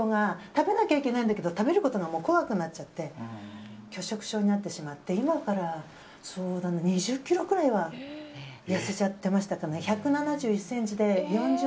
食べなきゃいけないんだけど食べることが怖くなっちゃって拒食症になってしまって今から２０ｋｇくらいは痩せちゃってましたかね。